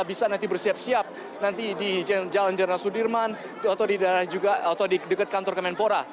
bisa nanti bersiap siap nanti di jalan jalan sudirman atau di dekat kantor kemenpora